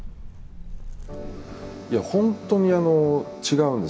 いや本当に違うんですよ。